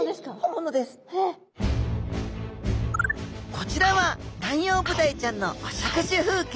こちらはナンヨウブダイちゃんのお食事風景